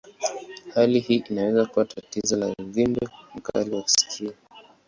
Hali hii inaweza kuwa tatizo la uvimbe mkali wa sikio.